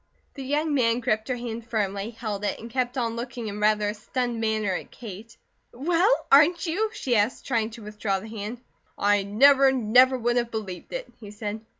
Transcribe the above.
The young man gripped her hand firmly, held it, and kept on looking in rather a stunned manner at Kate. "Well, aren't you?" she asked, trying to withdraw the hand. "I never, never would have believed it," he said.